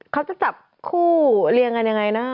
เขาจะจับคู่เรียงกันยังไงนะ